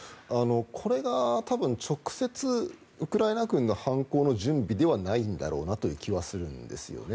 これが多分直接、ウクライナ軍が反攻の準備ではないんだろうなという気がするんですよね。